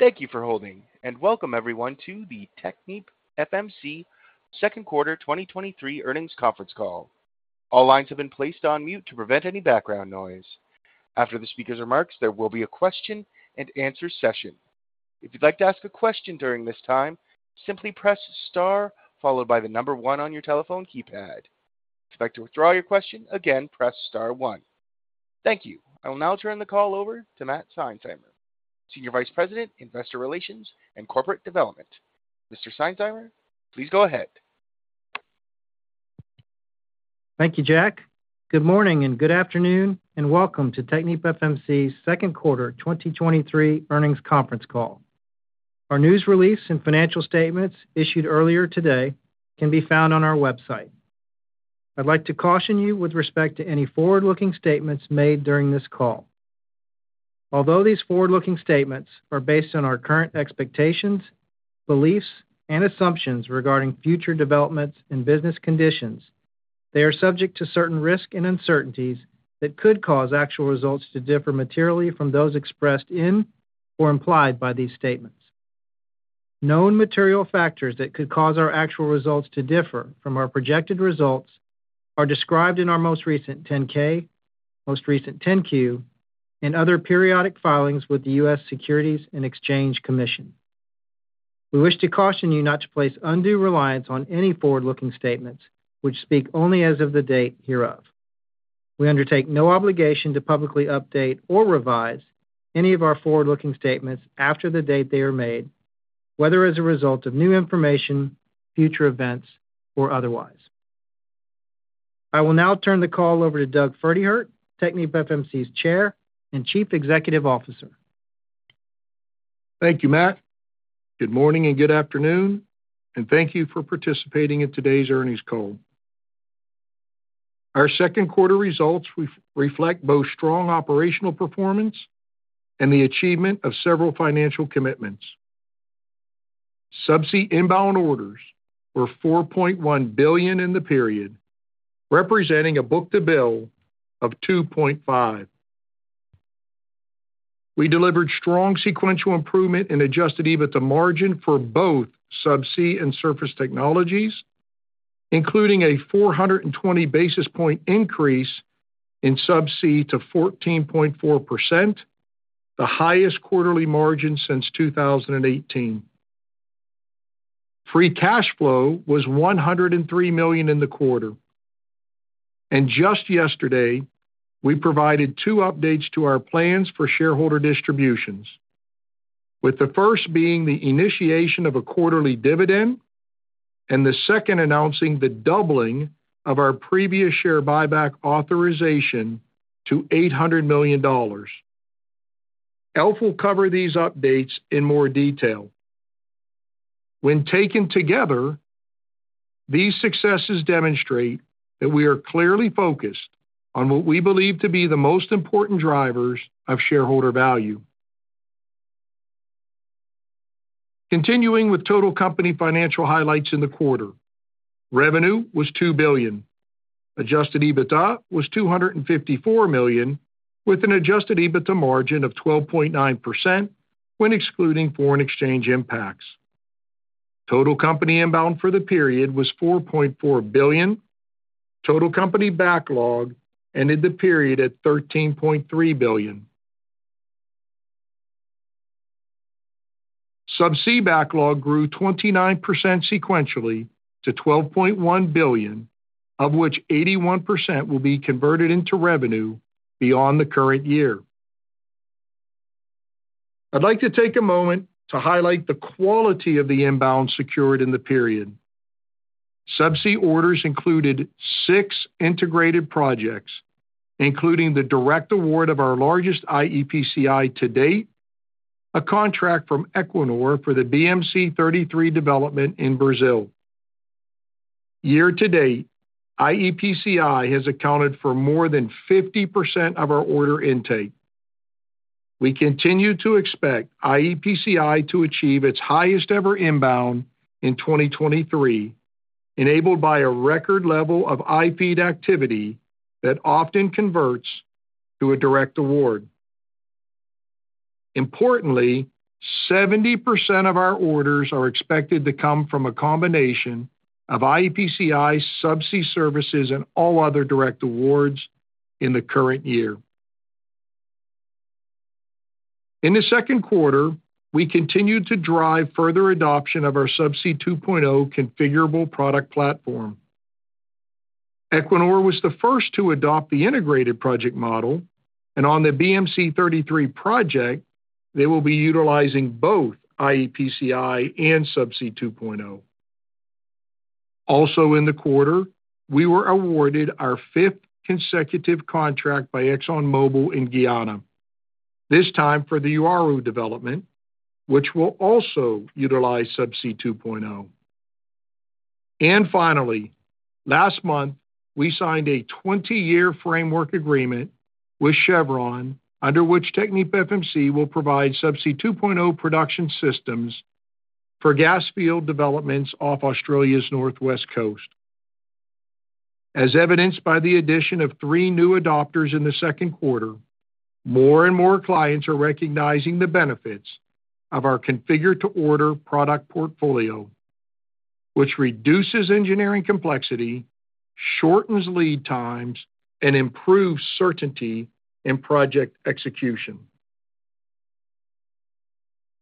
Thank you for holding, and welcome everyone to the TechnipFMC Q2 2023 earnings conference call. All lines have been placed on mute to prevent any background noise. After the speaker's remarks, there will be a question and answer session. If you'd like to ask a question during this time, simply press Star followed by the one on your telephone keypad. If you'd like to withdraw your question, again, press star one. Thank you. I will now turn the call over to Matt Seinsheimer, Senior Vice President, Investor Relations and Corporate Development. Mr. Seinsheimer, please go ahead. Thank you, Jack. Good morning and good afternoon, welcome to TechnipFMC's Q2 2023 earnings conference call. Our news release and financial statements issued earlier today can be found on our website. I'd like to caution you with respect to any forward-looking statements made during this call. Although these forward-looking statements are based on our current expectations, beliefs, and assumptions regarding future developments and business conditions, they are subject to certain risks and uncertainties that could cause actual results to differ materially from those expressed in or implied by these statements. Known material factors that could cause our actual results to differ from our projected results are described in our most recent 10-K, most recent 10-Q, and other periodic filings with the U.S. Securities and Exchange Commission. We wish to caution you not to place undue reliance on any forward-looking statements which speak only as of the date hereof. We undertake no obligation to publicly update or revise any of our forward-looking statements after the date they are made, whether as a result of new information, future events, or otherwise. I will now turn the call over to Douglas Pferdehirt, TechnipFMC's Chair and Chief Executive Officer. Thank you, Matt. Good morning and good afternoon, and thank you for participating in today's earnings call. Our Q2 results reflect both strong operational performance and the achievement of several financial commitments. Subsea inbound orders were $4.1 billion in the period, representing a book-to-bill of 2.5. We delivered strong sequential improvement in adjusted EBITDA margin for both Subsea and Surface Technologies, including a 420 basis point increase in Subsea to 14.4%, the highest quarterly margin since 2018. Free cash flow was $103 million in the quarter, and just yesterday, we provided two updates to our plans for shareholder distributions, with the first being the initiation of a quarterly dividend and the second announcing the doubling of our previous share buyback authorization to $800 million. Alf will cover these updates in more detail. When taken together, these successes demonstrate that we are clearly focused on what we believe to be the most important drivers of shareholder value. Continuing with total company financial highlights in the quarter, revenue was $2 billion. Adjusted EBITDA was $254 million, with an adjusted EBITDA margin of 12.9% when excluding foreign exchange impacts. Total company inbound for the period was $4.4 billion. Total company backlog ended the period at $13.3 billion. Subsea backlog grew 29% sequentially to $12.1 billion, of which 81% will be converted into revenue beyond the current year. I'd like to take a moment to highlight the quality of the inbounds secured in the period. Subsea orders included six integrated projects, including the direct award of our largest iEPCI to date, a contract from Equinor for the BM-C-33 development in Brazil. Year to date, iEPCI has accounted for more than 50% of our order intake. We continue to expect iEPCI to achieve its highest-ever inbound in 2023, enabled by a record level of iFEED activity that often converts to a direct award. Importantly, 70% of our orders are expected to come from a combination of iEPCI, Subsea services, and all other direct awards in the current year. In the Q2, we continued to drive further adoption of our Subsea 2.0 configurable product platform. Equinor was the first to adopt the integrated project model, and on the BM-C-33 project, they will be utilizing both iEPCI and Subsea 2.0. Also in the quarter, we were awarded our fifth consecutive contract by ExxonMobil in Guyana, this time for the Uru development, which will also utilize Subsea 2.0. Finally, last month, we signed a 20-year framework agreement with Chevron, under which TechnipFMC will provide Subsea 2.0 production systems for gas field developments off Australia's northwest coast. As evidenced by the addition of three new adopters in the Q2, more and more clients are recognizing the benefits of our configure-to-order product portfolio, which reduces engineering complexity, shortens lead times, and improves certainty in project execution.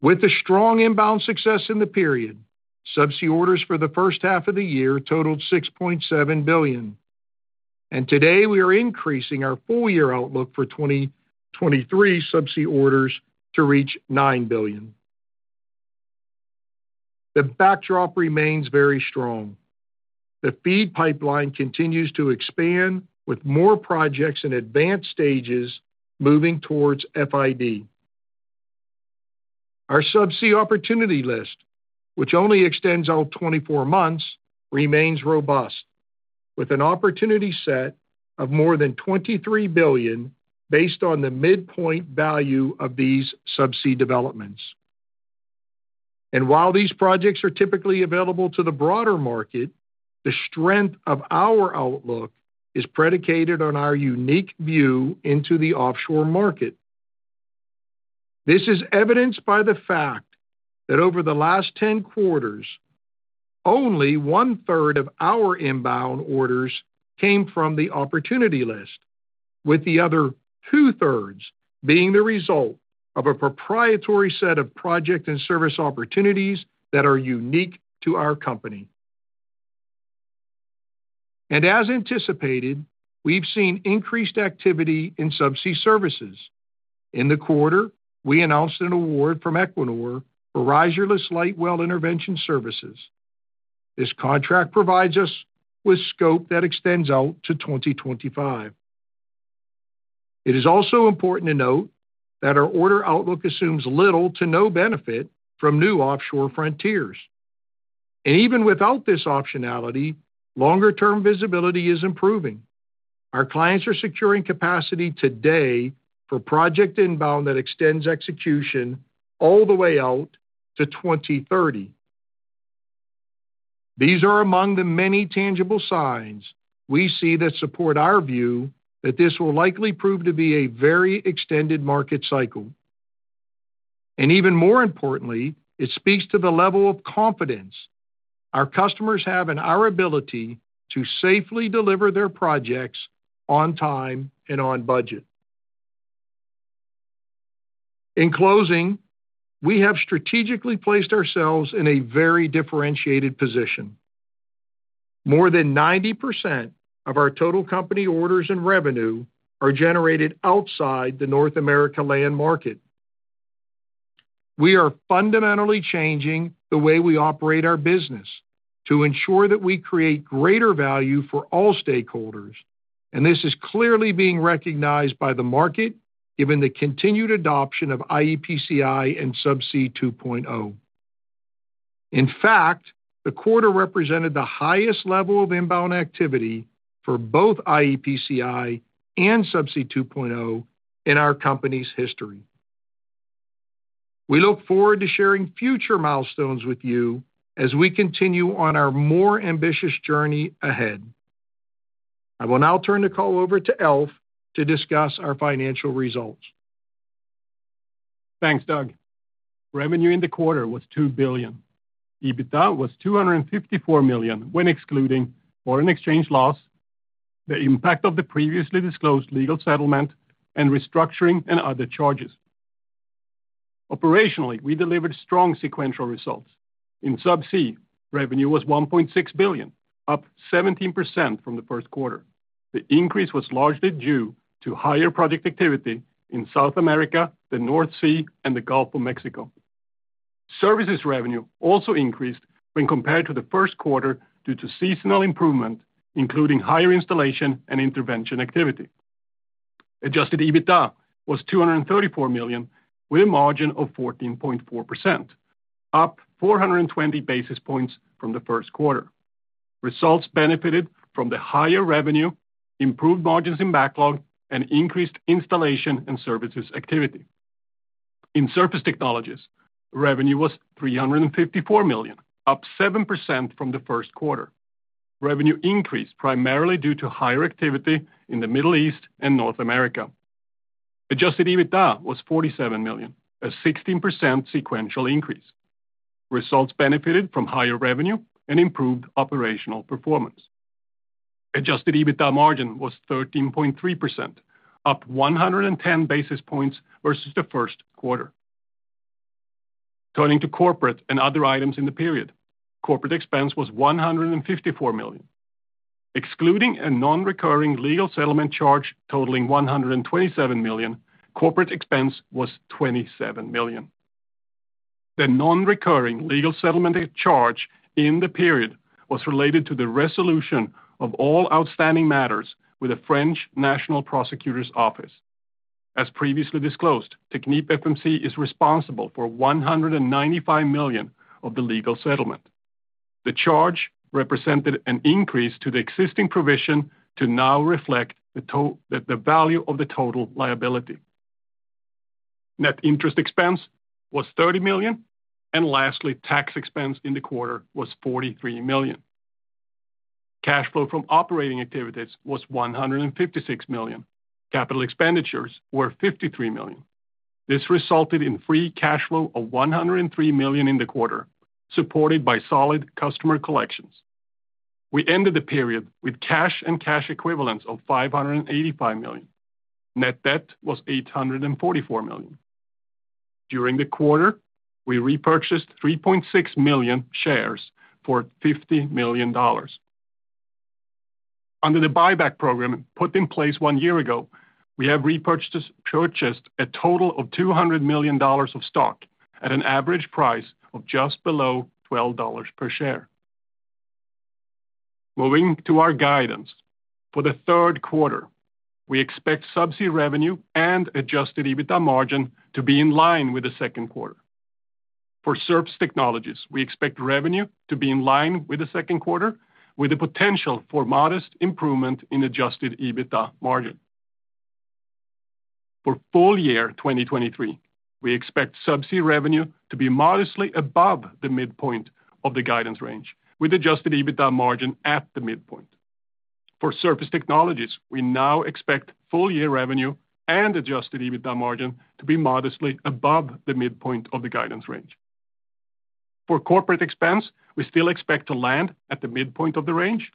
With the strong inbound success in the period, Subsea orders for the first half of the year totaled $6.7 billion. Today, we are increasing our full-year outlook for 2023 Subsea orders to reach $9 billion. The backdrop remains very strong. The FEED pipeline continues to expand, with more projects in advanced stages moving towards FID. Our Subsea opportunity list, which only extends out 24 months, remains robust, with an opportunity set of more than $23 billion based on the midpoint value of these Subsea developments. While these projects are typically available to the broader market, the strength of our outlook is predicated on our unique view into the offshore market. This is evidenced by the fact that over the last 10 quarters, only one-third of our inbound orders came from the opportunity list, with the other two-thirds being the result of a proprietary set of project and service opportunities that are unique to our company. As anticipated, we've seen increased activity in Subsea services. In the quarter, we announced an award from Ecuador for Riserless Light Well Intervention services. This contract provides us with scope that extends out to 2025. It is also important to note that our order outlook assumes little to no benefit from new offshore frontiers. Even without this optionality, longer-term visibility is improving. Our clients are securing capacity today for project inbound that extends execution all the way out to 2030. These are among the many tangible signs we see that support our view that this will likely prove to be a very extended market cycle. Even more importantly, it speaks to the level of confidence our customers have in our ability to safely deliver their projects on time and on budget. In closing, we have strategically placed ourselves in a very differentiated position. More than 90% of our total company orders and revenue are generated outside the North America land market. We are fundamentally changing the way we operate our business to ensure that we create greater value for all stakeholders. This is clearly being recognized by the market, given the continued adoption of iEPCI and Subsea 2.0. In fact, the quarter represented the highest level of inbound activity for both iEPCI and Subsea 2.0 in our company's history. We look forward to sharing future milestones with you as we continue on our more ambitious journey ahead. I will now turn the call over to Alf to discuss our financial results. Thanks, Doug. Revenue in the quarter was $2 billion. EBITDA was $254 million when excluding foreign exchange loss, the impact of the previously disclosed legal settlement, and restructuring and other charges. Operationally, we delivered strong sequential results. In Subsea, revenue was $1.6 billion, up 17% from the first quarter. The increase was largely due to higher project activity in South America, the North Sea, and the Gulf of Mexico. Services revenue also increased when compared to the first quarter due to seasonal improvement, including higher installation and intervention activity. Adjusted EBITDA was $234 million, with a margin of 14.4%, up 420 basis points from the first quarter. Results benefited from the higher revenue, improved margins in backlog, and increased installation and services activity. In Surface Technologies, revenue was $354 million, up 7% from the first quarter. Revenue increased primarily due to higher activity in the Middle East and North America. Adjusted EBITDA was $47 million, a 16% sequential increase. Results benefited from higher revenue and improved operational performance. Adjusted EBITDA margin was 13.3%, up 110 basis points versus the first quarter. Turning to corporate and other items in the period. Corporate expense was $154 million. Excluding a non-recurring legal settlement charge totaling $127 million, corporate expense was $27 million. The non-recurring legal settlement charge in the period was related to the resolution of all outstanding matters with the French National Prosecutor's Office. As previously disclosed, TechnipFMC is responsible for $195 million of the legal settlement. The charge represented an increase to the existing provision to now reflect the value of the total liability. Net interest expense was $30 million. Lastly, tax expense in the quarter was $43 million. Cash flow from operating activities was $156 million. Capital expenditures were $53 million. This resulted in free cash flow of $103 million in the quarter, supported by solid customer collections. We ended the period with cash and cash equivalents of $585 million. Net debt was $844 million. During the quarter, we repurchased 3.6 million shares for $50 million. Under the buyback program put in place one year ago, we have purchased a total of $200 million of stock at an average price of just below $12 per share. Moving to our guidance. For the Q3, we expect Subsea revenue and Adjusted EBITDA margin to be in line with the Q2. For Surface Technologies, we expect revenue to be in line with the Q2, with the potential for modest improvement in Adjusted EBITDA margin. For full year 2023, we expect Subsea revenue to be modestly above the midpoint of the guidance range, with Adjusted EBITDA margin at the midpoint. For Surface Technologies, we now expect full year revenue and Adjusted EBITDA margin to be modestly above the midpoint of the guidance range. For corporate expense, we still expect to land at the midpoint of the range.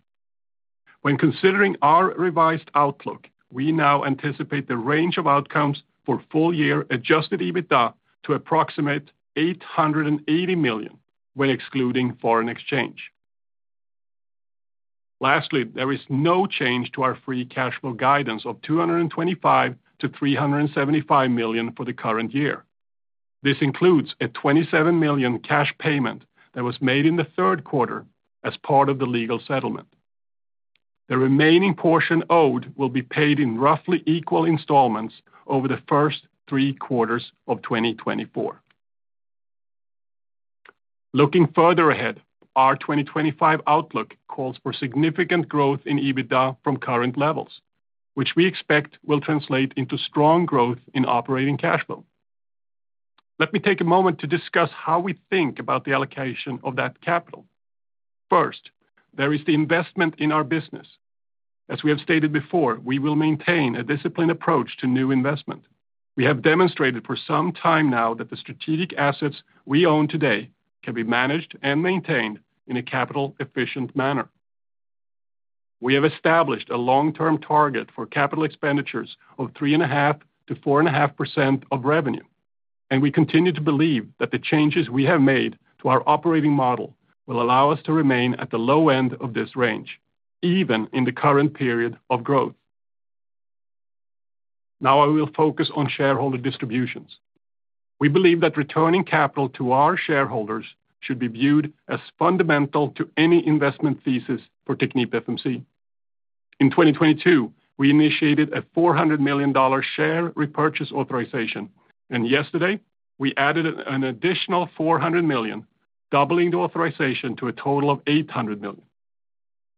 When considering our revised outlook, we now anticipate the range of outcomes for full year Adjusted EBITDA to approximate $880 million when excluding foreign exchange. There is no change to our free cash flow guidance of $225 million-$375 million for the current year. This includes a $27 million cash payment that was made in the Q3 as part of the legal settlement. The remaining portion owed will be paid in roughly equal installments over the first three quarters of 2024. Looking further ahead, our 2025 outlook calls for significant growth in EBITDA from current levels, which we expect will translate into strong growth in operating cash flow. Let me take a moment to discuss how we think about the allocation of that capital. First, there is the investment in our business. As we have stated before, we will maintain a disciplined approach to new investment. We have demonstrated for some time now that the strategic assets we own today can be managed and maintained in a capital-efficient manner. We have established a long-term target for CapEx of 3.5%-4.5% of revenue. We continue to believe that the changes we have made to our operating model will allow us to remain at the low end of this range, even in the current period of growth. Now I will focus on shareholder distributions. We believe that returning capital to our shareholders should be viewed as fundamental to any investment thesis for TechnipFMC. In 2022, we initiated a $400 million share repurchase authorization. Yesterday we added an additional $400 million, doubling the authorization to a total of $800 million.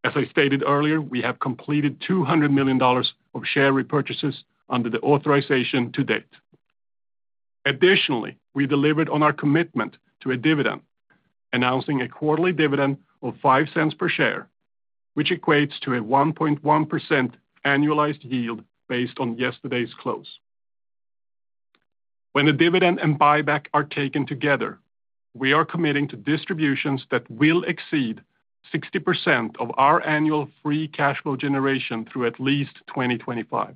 As I stated earlier, we have completed $200 million of share repurchases under the authorization to date. We delivered on our commitment to a dividend, announcing a quarterly dividend of $0.05 per share, which equates to a 1.1% annualized yield based on yesterday's close. When the dividend and buyback are taken together, we are committing to distributions that will exceed 60% of our annual free cash flow generation through at least 2025.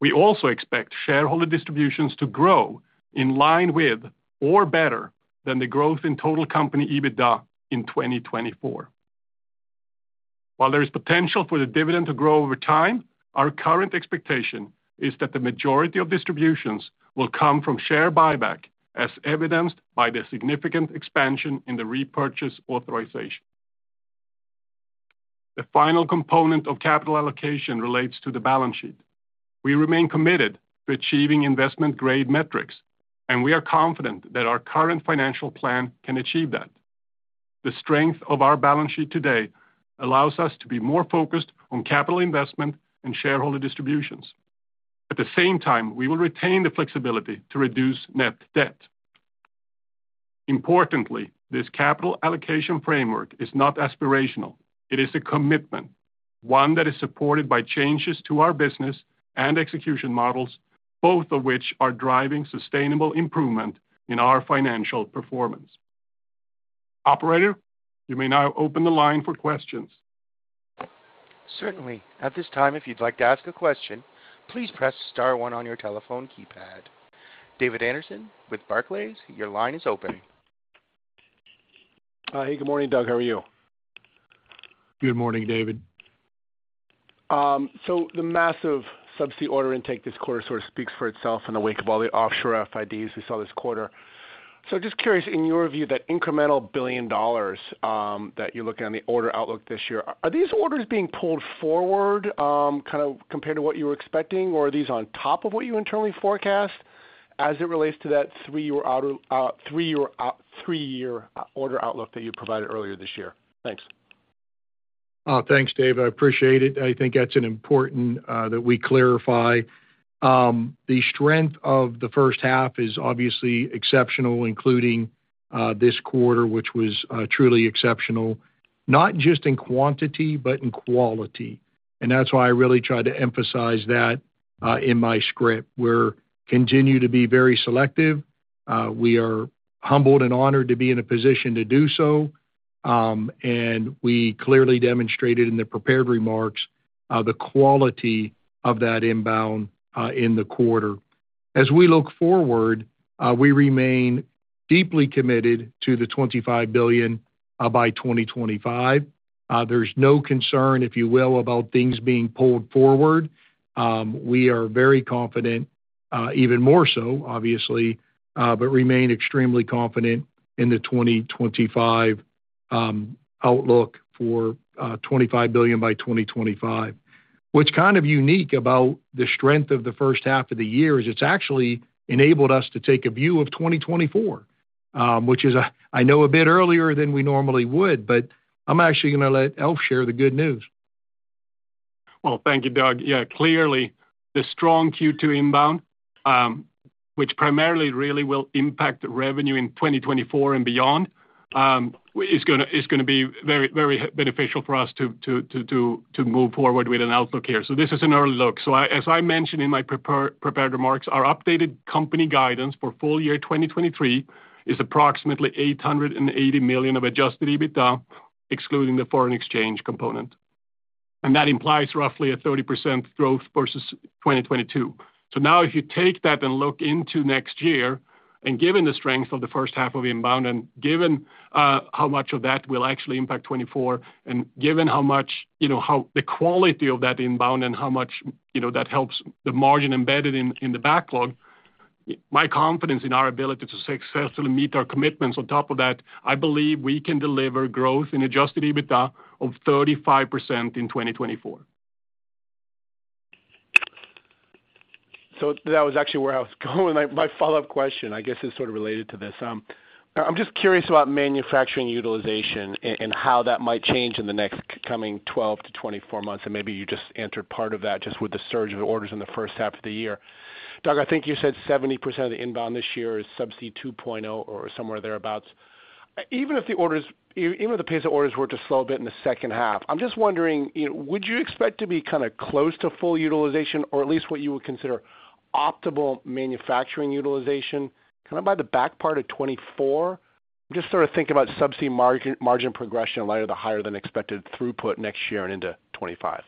We also expect shareholder distributions to grow in line with or better than the growth in total company EBITDA in 2024. While there is potential for the dividend to grow over time, our current expectation is that the majority of distributions will come from share buyback, as evidenced by the significant expansion in the repurchase authorization. The final component of capital allocation relates to the balance sheet. We remain committed to achieving investment-grade metrics, and we are confident that our current financial plan can achieve that. The strength of our balance sheet today allows us to be more focused on capital investment and shareholder distributions. At the same time, we will retain the flexibility to reduce net debt. Importantly, this capital allocation framework is not aspirational. It is a commitment, one that is supported by changes to our business and execution models, both of which are driving sustainable improvement in our financial performance. Operator, you may now open the line for questions. Certainly. At this time, if you'd like to ask a question, please press star one on your telephone keypad. David Anderson with Barclays, your line is open. Hey, good morning, Doug. How are you? Good morning, David. The massive Subsea order intake this quarter sort of speaks for itself in the wake of all the offshore FIDs we saw this quarter. Just curious, in your view, that incremental $1 billion that you're looking at on the order outlook this year, are these orders being pulled forward, kind of compared to what you were expecting, or are these on top of what you internally forecast as it relates to that 3-year order outlook that you provided earlier this year? Thanks. Oh, thanks, Dave. I appreciate it. I think that's an important that we clarify. The strength of the first half is obviously exceptional, including this quarter, which was truly exceptional, not just in quantity, but in quality. That's why I really tried to emphasize that in my script. We're continue to be very selective. We are humbled and honored to be in a position to do so. We clearly demonstrated in the prepared remarks, the quality of that inbound in the quarter. We look forward, we remain deeply committed to the $25 billion by 2025. There's no concern, if you will, about things being pulled forward. We are very confident, even more so, obviously, but remain extremely confident in the 2025 outlook for $25 billion by 2025. What's kind of unique about the strength of the first half of the year is it's actually enabled us to take a view of 2024, which is, I know, a bit earlier than we normally would, but I'm actually goint to let Alf share the good news. Well, thank you, Doug. Yeah, clearly, the strong Q2 inbound, which primarily really will impact the revenue in 2024 and beyond, is gonna be very, very beneficial for us to move forward with an outlook here. This is an early look. As I mentioned in my prepared remarks, our updated company guidance for full year 2023 is approximately $880 million of Adjusted EBITDA, excluding the foreign exchange component, and that implies roughly a 30% growth versus 2022. Now, if you take that and look into next year, and given the strength of the first half of inbound, and given how much of that will actually impact 2024, and given how much, you know, how the quality of that inbound and how much, you know, that helps the margin embedded in, in the backlog, my confidence in our ability to successfully meet our commitments. On top of that, I believe we can deliver growth in Adjusted EBITDA of 35% in 2024. That was actually where I was going. My follow-up question, I guess, is sort of related to this. I'm just curious about manufacturing utilization and how that might change in the next coming 12-24 months, and maybe you just answered part of that, just with the surge of orders in the first half of the year. Doug, I think you said 70% of the inbound this year is Subsea 2.0 or somewhere thereabout. Even if the orders, even if the pace of orders were to slow a bit in the second half, I'm just wondering, you know, would you expect to be kinda close to full utilization or at least what you would consider optimal manufacturing utilization, kind of by the back part of 2024? I'm just sort of thinking about Subsea margin progression in light of the higher-than-expected throughput next year and into 2025.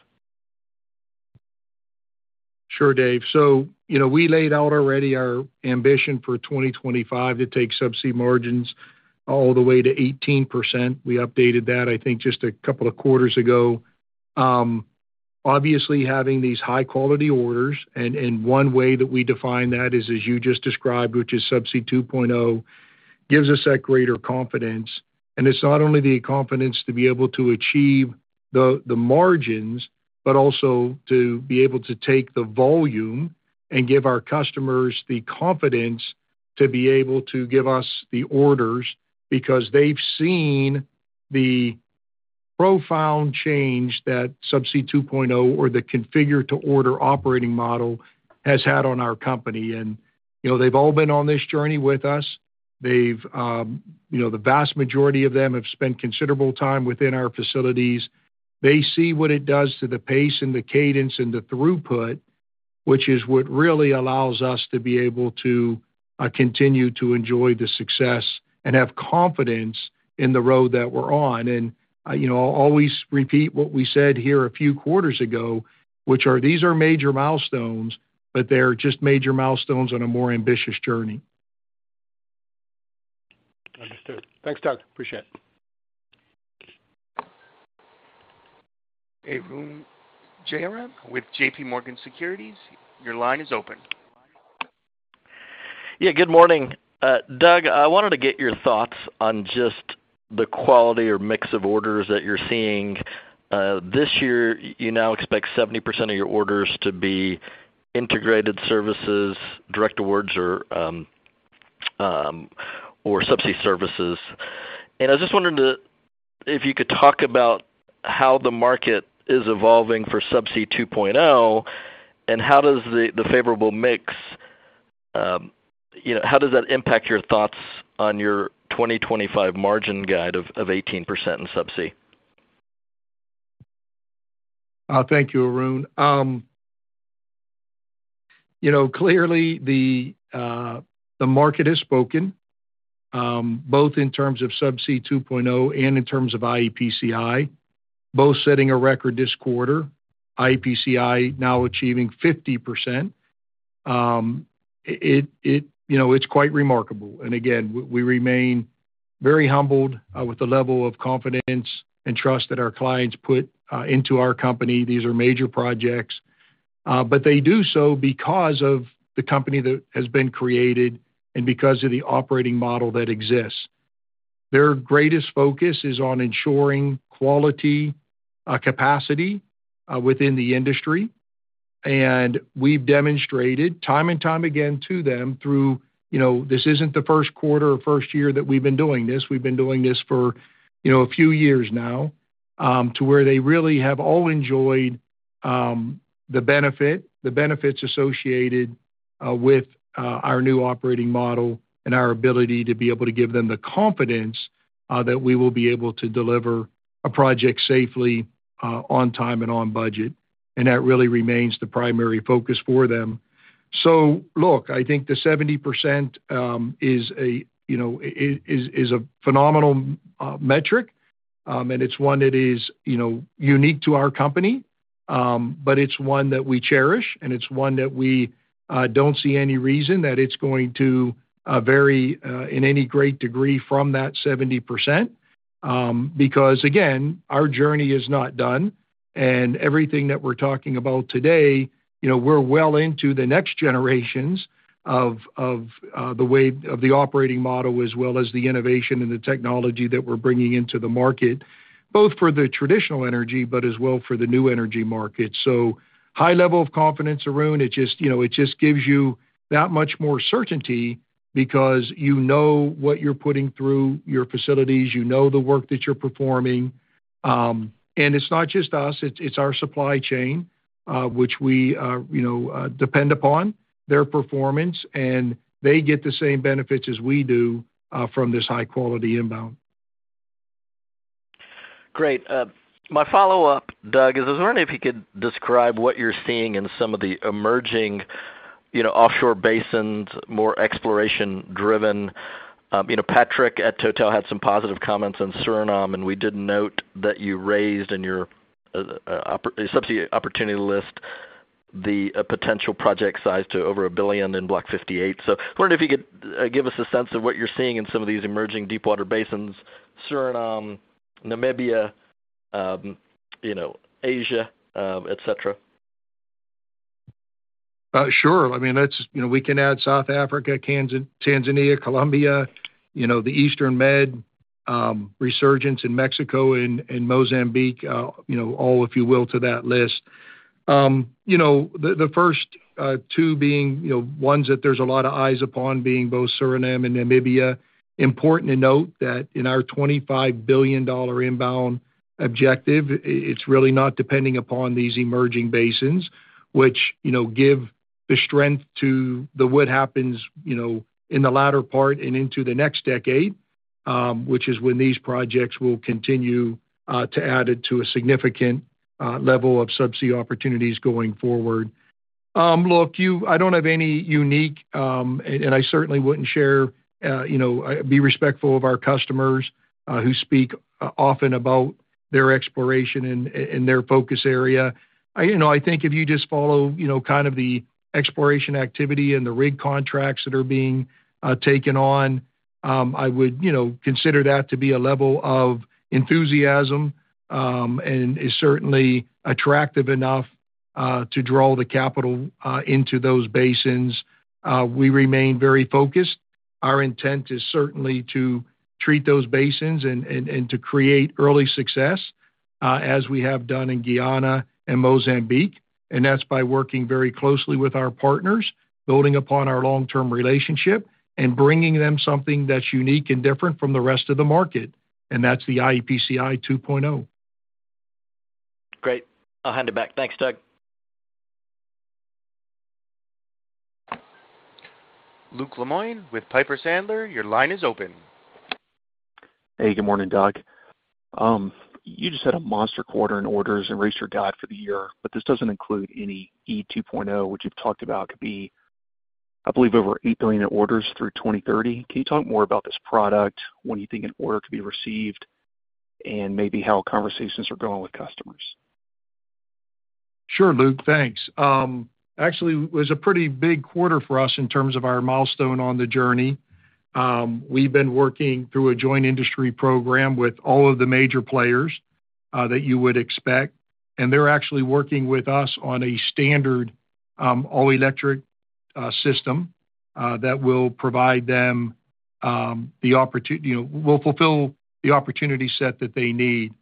Sure, Dave. You know, we laid out already our ambition for 2025 to take Subsea margins all the way to 18%. We updated that, I think, just a couple of quarters ago. Obviously, having these high-quality orders, and one way that we define that is, as you just described, which is Subsea 2.0, gives us that greater confidence. It's not only the confidence to be able to achieve the margins, but also to be able to take the volume and give our customers the confidence to be able to give us the orders. They've seen the profound change that Subsea 2.0 or the configure-to-order operating model has had on our company. You know, they've all been on this journey with us. They've, the vast majority of them have spent considerable time within our facilities. They see what it does to the pace and the cadence and the throughput, which is what really allows us to be able to, continue to enjoy the success and have confidence in the road that we're on. You know, I'll always repeat what we said here a few quarters ago, which are these are major milestones, but they're just major milestones on a more ambitious journey. Understood. Thanks, Doug, appreciate it. Arun Jayaram with J.P. Morgan Securities, your line is open. Yeah, good morning. Doug, I wanted to get your thoughts on just the quality or mix of orders that you're seeing. This year, you now expect 70% of your orders to be integrated services, direct awards, or Subsea services. I was just wondering if you could talk about how the market is evolving for Subsea 2.0 and how does the favorable mix, you know, how does that impact your thoughts on your 2025 margin guide of 18% in Subsea? Thank you, Arun. You know, clearly, the market has spoken, both in terms of Subsea 2.0 and in terms of iEPCI, both setting a record this quarter. iEPCI now achieving 50%. It, you know, it's quite remarkable. Again, we remain very humbled, with the level of confidence and trust that our clients put into our company. These are major projects, but they do so because of the company that has been created and because of the operating model that exists. Their greatest focus is on ensuring quality, capacity, within the industry. We've demonstrated time and time again to them through, you know, this isn't the first quarter or first year that we've been doing this. We've been doing this for, you know, a few years now, to where they really have all enjoyed, the benefits associated, with, our new operating model and our ability to be able to give them the confidence, that we will be able to deliver a project safely, on time and on budget. That really remains the primary focus for them. Look, I think the 70%, is a, you know, is a phenomenal, metric. It's one that is, you know, unique to our company, but it's one that we cherish, and it's one that we, don't see any reason that it's going to, vary, in any great degree from that 70%. Because, again, our journey is not done, and everything that we're talking about today, you know, we're well into the next generations of the operating model, as well as the innovation and the technology that we're bringing into the market, both for the traditional energy, but as well for the new energy market. High level of confidence, Arun. It just, you know, gives you that much more certainty because you know what you're putting through your facilities, you know the work that you're performing. It's not just us, it's our supply chain, which we, depend upon their performance, and they get the same benefits as we do from this high-quality inbound. Great. My follow-up, Doug, is I was wondering if you could describe what you're seeing in some of the emerging, you know, offshore basins, more exploration-driven. You know, Patrick at TotalEnergies had some positive comments on Suriname, and we did note that you raised in your subsea opportunity list the potential project size to over $1 billion in Block 58. I wondered if you could give us a sense of what you're seeing in some of these emerging deepwater basins, Suriname, Namibia, you know, Asia, et cetera. Sure. I mean, that's, you know, we can add South Africa, Tanzania, Colombia, you know, the Eastern Med, resurgence in Mexico and Mozambique, you know, all, if you will, to that list. The first two being, you know, ones that there's a lot of eyes upon being both Suriname and Namibia. Important to note that in our $25 billion inbound objective, it's really not depending upon these emerging basins, which, you know, give the strength to the what happens, you know, in the latter part and into the next decade, which is when these projects will continue to add it to a significant level of subsea opportunities going forward. Look, I don't have any unique, and I certainly wouldn't share, you know, be respectful of our customers, who speak often about their exploration and their focus area. You know, I think if you just follow, you know, kind of the exploration activity and the rig contracts that are being taken on, I would, you know, consider that to be a level of enthusiasm, and is certainly attractive enough to draw the capital into those basins. We remain very focused. Our intent is certainly to treat those basins and to create early success, as we have done in Guyana and Mozambique, and that's by working very closely with our partners, building upon our long-term relationship, and bringing them something that's unique and different from the rest of the market, and that's the iEPCI 2.0. Great. I'll hand it back. Thanks, Doug. Luke Lemoine with Piper Sandler, your line is open. Hey, good morning, Doug. You just had a monster quarter in orders and raised your guide for the year. This doesn't include any eCO2.0, which you've talked about could be, I believe, over $8 billion in orders through 2030. Can you talk more about this product? When do you think an order could be received? Maybe how conversations are going with customers? Sure, Luke, thanks. Actually, it was a pretty big quarter for us in terms of our milestone on the journey. We've been working through a joint industry program with all of the major players, that you would expect, and they're actually working with us on a standard, all-electric, system, that will provide them, You know, will fulfill the opportunity set that they need.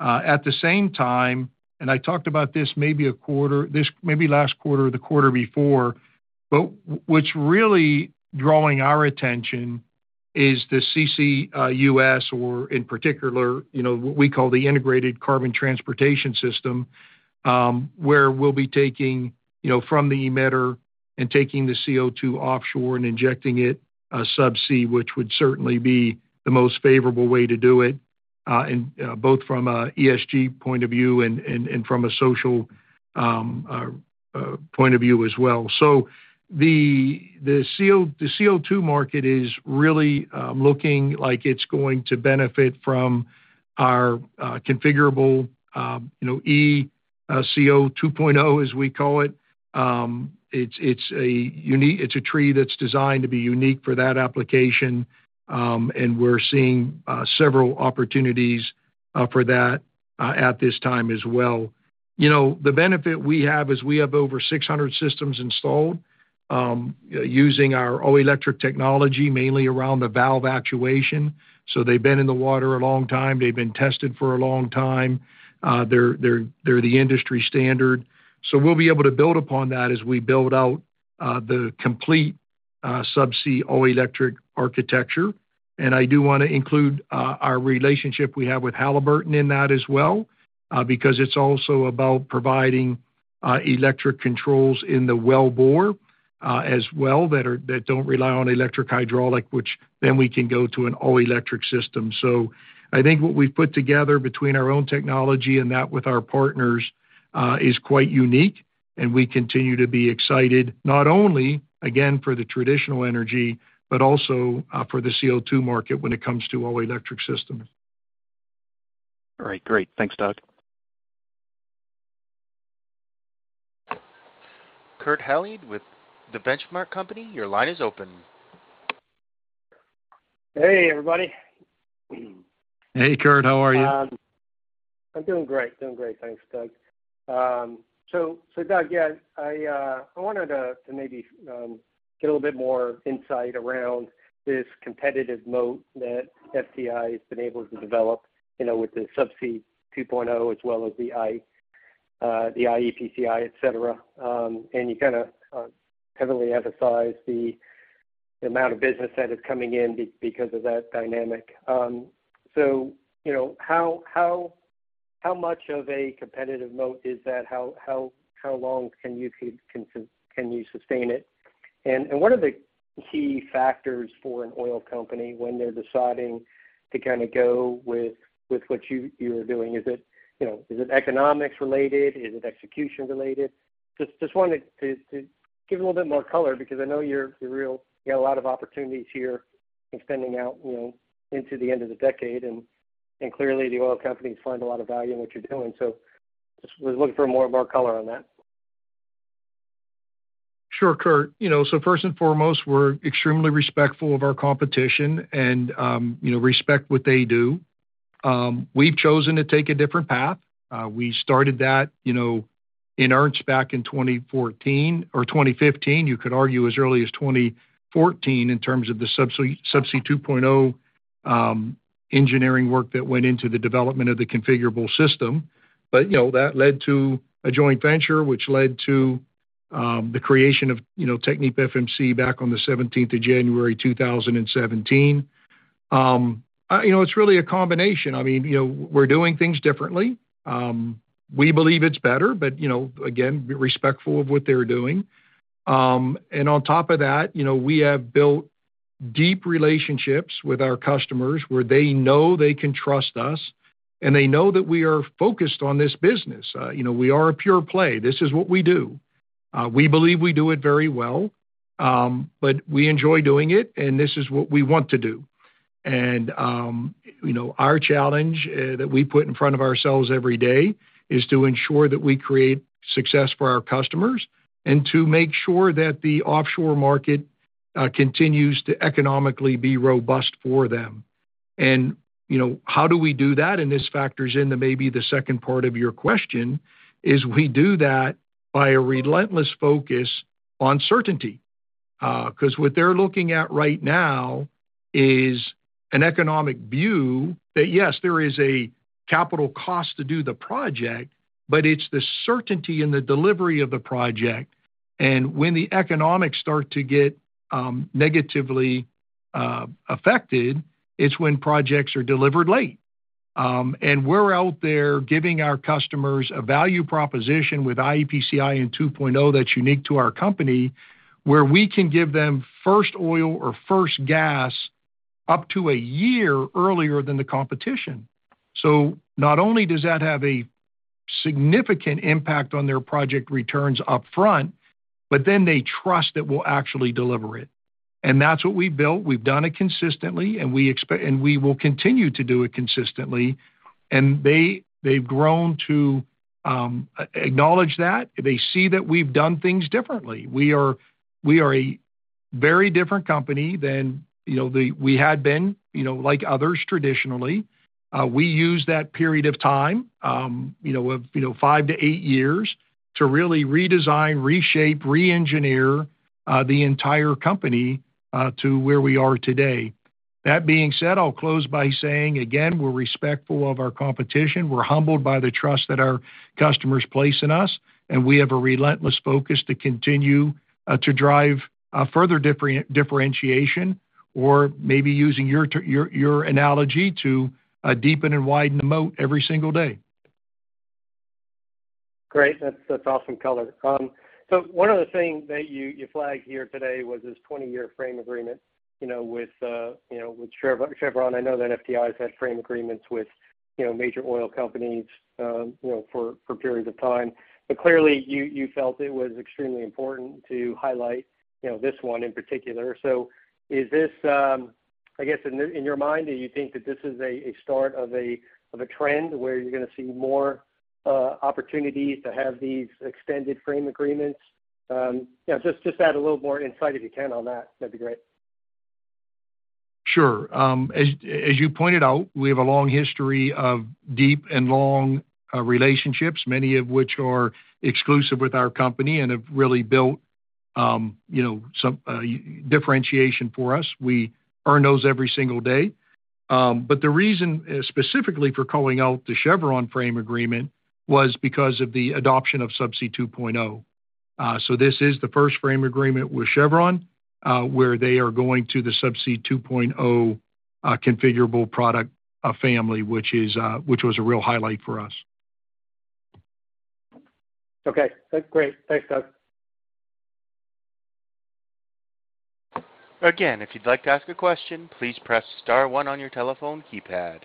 At the same time, I talked about this maybe a quarter, this maybe last quarter or the quarter before, what's really drawing our attention is the CCUS or in particular, you know, what we call the integrated carbon transportation system, where we'll be taking, you know, from the emitter and taking the CO2 offshore and injecting it, Subsea, which would certainly be the most favorable way to do it, and both from a ESG point of view and from a social point of view as well. The CO2 market is really looking like it's going to benefit from our configurable, you know, ECO2.0as we call it. It's a unique tree that's designed to be unique for that application, and we're seeing several opportunities for that at this time as well. You know, the benefit we have is we have over 600 systems installed, using our all-electric technology, mainly around the valve actuation. They've been in the water a long time. They've been tested for a long time. They're the industry standard. We'll be able to build upon that as we build out the complete subsea all-electric architecture. I do want to include our relationship we have with Halliburton in that as well, because it's also about providing electric controls in the wellbore as well, that don't rely on electric hydraulic, which then we can go to an all-electric system. I think what we've put together between our own technology and that with our partners, is quite unique, and we continue to be excited, not only, again, for the traditional energy, but also, for the CO2 market when it comes to all-electric systems. All right, great. Thanks, Doug. Kurt Hallead with The Benchmark Company, your line is open. Hey, everybody. Hey, Kurt, how are you? I'm doing great. Doing great, thanks, Doug. So, Doug, yeah, I wanted to maybe get a little bit more insight around this competitive moat that FTI has been able to develop, you know, with the Subsea 2.0, as well as the iEPCI, et cetera. And you kinda heavily emphasize the amount of business that is coming in because of that dynamic. So you know, how much of a competitive moat is that? How long can you sustain it? And what are the key factors for an oil company when they're deciding to kinda go with what you are doing? Is it, you know, is it economics related? Is it execution related? Just wanted to give a little bit more color, because I know you got a lot of opportunities here extending out, you know, into the end of the decade, and clearly, the oil companies find a lot of value in what you're doing. Just was looking for more and more color on that. Sure, Kurt. You know, first and foremost, we're extremely respectful of our competition and, you know, respect what they do. We've chosen to take a different path. We started that, you know, in earnest, back in 2014 or 2015. You could argue as early as 2014 in terms of the Subsea, Subsea 2.0, engineering work that went into the development of the configurable system. You know, that led to a joint venture, which led to the creation of, you know, TechnipFMC back on the 17th of January, 2017. You know, it's really a combination. I mean, you know, we're doing things differently. We believe it's better, you know, again, be respectful of what they're doing. On top of that, you know, we have built deep relationships with our customers, where they know they can trust us, and they know that we are focused on this business. You know, we are a pure play. This is what we do. We believe we do it very well, we enjoy doing it, and this is what we want to do. You know, our challenge, that we put in front of ourselves every day, is to ensure that we create success for our customers, and to make sure that the offshore market, continues to economically be robust for them. You know, how do we do that? This factors into maybe the second part of your question, is we do that by a relentless focus on certainty. 'Cause what they're looking at right now is an economic view that, yes, there is a capital cost to do the project, but it's the certainty in the delivery of the project. When the economics start to get negatively affected, it's when projects are delivered late. We're out there giving our customers a value proposition with iEPCI and 2.0, that's unique to our company, where we can give them first oil or first gas up to 1 year earlier than the competition. Not only does that have a significant impact on their project returns upfront, but then they trust that we'll actually deliver it. That's what we've built. We've done it consistently, and we will continue to do it consistently, and they, they've grown to acknowledge that. They see that we've done things differently. We are a very different company than, you know, we had been, you know, like others traditionally. We use that period of time, you know, of, you know, 5 to 8 years to really redesign, reshape, reengineer, the entire company, to where we are today. That being said, I'll close by saying again, we're respectful of our competition. We're humbled by the trust that our customers place in us, and we have a relentless focus to continue to drive further differentiation, or maybe using your, your analogy, to deepen and widen the moat every single day. Great. That's awesome color. One other thing that you flagged here today was this 20-year frame agreement, you know, with, you know, with Chevron. I know that TechnipFMC has had frame agreements with, you know, major oil companies, you know, for periods of time. Clearly, you felt it was extremely important to highlight, you know, this one in particular. Is this, I guess, in your mind, do you think that this is a start of a trend, where you're gonna see more opportunities to have these extended frame agreements? Yeah, just add a little more insight, if you can, on that. That'd be great. Sure. As you pointed out, we have a long history of deep and long relationships, many of which are exclusive with our company and have really built, you know, some differentiation for us. We earn those every single day. The reason, specifically for calling out the Chevron frame agreement, was because of the adoption of Subsea 2.0. This is the first frame agreement with Chevron, where they are going to the Subsea 2.0 configurable product family, which is which was a real highlight for us. Okay, great. Thanks, Doug. Again, if you'd like to ask a question, please press star one on your telephone keypad.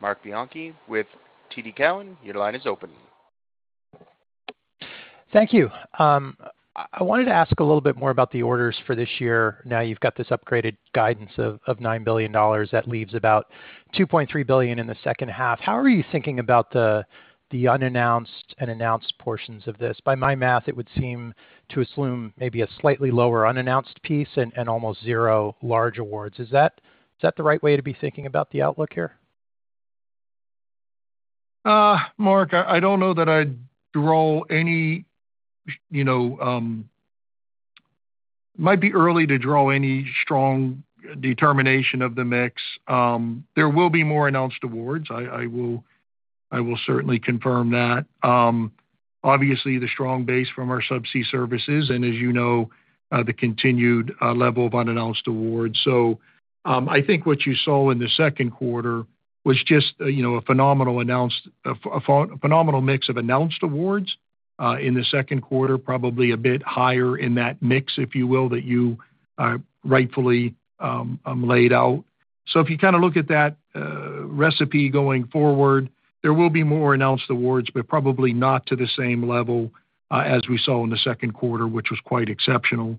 Marc Bianchi with TD Cowen, your line is open. Thank you. I wanted to ask a little bit more about the orders for this year. Now you've got this upgraded guidance of $9 billion. That leaves about $2.3 billion in the second half. How are you thinking about the unannounced and announced portions of this? By my math, it would seem to assume maybe a slightly lower unannounced piece and almost 0 large awards. Is that the right way to be thinking about the outlook here? Mark, I, I don't know that I'd draw any. You know, it might be early to draw any strong determination of the mix. There will be more announced awards. I will certainly confirm that. Obviously, the strong base from our Subsea services, and as you know, the continued level of unannounced awards. I think what you saw in the Q2 was just, you know, a phenomenal mix of announced awards in the Q2, probably a bit higher in that mix, if you will, that you rightfully laid out. If you kinda look at that recipe going forward, there will be more announced awards, but probably not to the same level as we saw in the Q2, which was quite exceptional.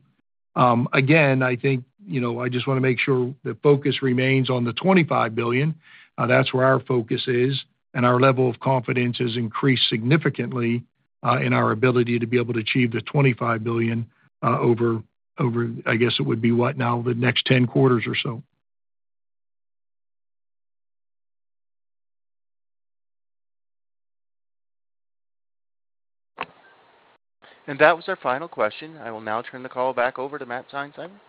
Again, I think, you know, I just wanna make sure the focus remains on the $25 billion. That's where our focus is. Our level of confidence has increased significantly, in our ability to be able to achieve the $25 billion, over, I guess it would be what now? The next 10 quarters or so. That was our final question. I will now turn the call back over to Matt Seinsheimer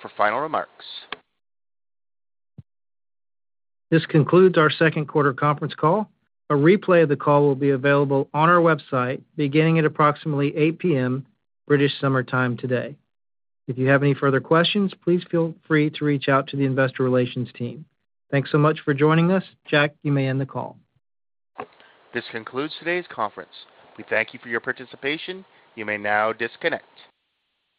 for final remarks. This concludes our Q2 conference call. A replay of the call will be available on our website, beginning at approximately 8:00 P.M., British Summer Time today. If you have any further questions, please feel free to reach out to the investor relations team. Thanks so much for joining us. Jack, you may end the call. This concludes today's conference. We thank you for your participation. You may now disconnect.